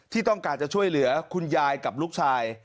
ที่ต้องการจะช่วยเหลือคุณยายกับลูกชาย